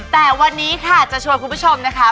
แต่วันนี้ค่ะจะชวนคุณผู้ชมนะคะ